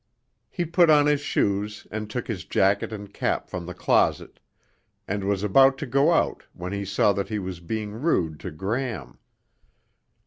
He put on his shoes and took his jacket and cap from the closet, and was about to go out when he saw that he was being rude to Gram.